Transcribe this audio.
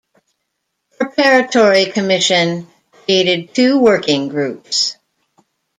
Preparatory Commission created two working groups.